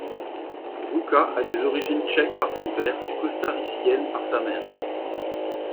Roucka a des origines tchéques par son père et costa-ricienne par sa mère.